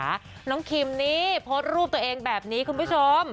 น้องคิมนี่โพสต์รูปตัวเองแบบนี้คุณผู้ชม